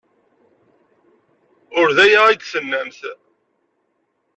Ur d aya ay d-tennamt.